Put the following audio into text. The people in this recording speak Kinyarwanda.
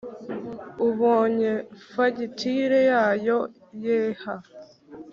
ubonye fagitire yayo ye ha